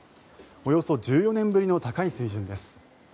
およそ１４年ぶりの高い水準です。